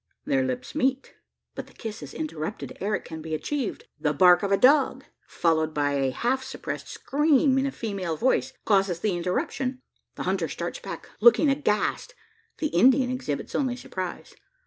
Their lips meet; but the kiss is interrupted ere it can be achieved. The bark of a dog followed by a half suppressed scream in a female voice causes the interruption. The hunter starts back, looking aghast. The Indian exhibits only surprise.